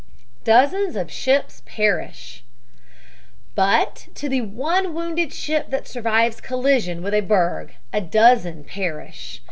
DOZENS OF SHIPS PERISH But to the one wounded ship that survives collision with a berg, a dozen perish.